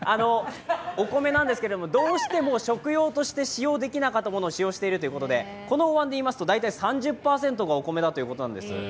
お米なんですけれどもどうしても食用として使用できなかったものを使用しているということでこのお椀でいいますと、大体３０％がお米だということです。